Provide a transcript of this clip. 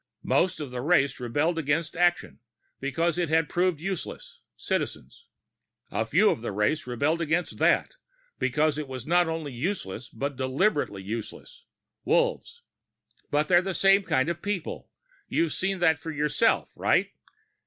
Most of the race rebelled against action, because it had proven useless Citizens. A few of the race rebelled against that, because it was not only useless but deliberately useless Wolves. But they're the same kind of people. You've seen that for yourself, right?